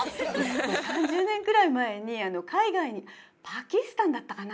もう３０年ぐらい前に海外にパキスタンだったかな